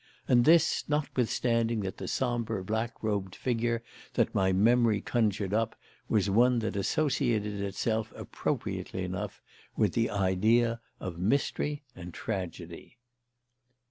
And this notwithstanding that the sombre black robed figure that my memory conjured up was one that associated itself appropriately enough with the idea of mystery and tragedy.